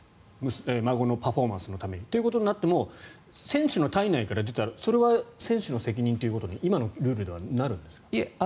孫のパフォーマンスのためにということになっても選手の体内から出たらそれは選手の責任ということに今のルールではなるんですか？